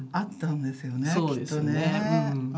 きっとね。